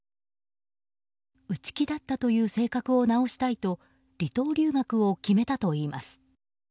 内気だったという性格を直したいと離島留学を決めたといいます。